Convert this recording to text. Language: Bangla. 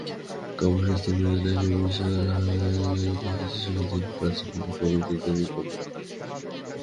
কাব্যশাস্ত্রে মেয়েরাই অভিসার করে এসেছে, সংসারবিধিতে বাধা আছে বলেই কবিদের এই করুণা।